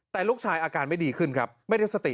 แต่ลูกชายอาการไม่ดีขึ้นครับไม่ได้สติ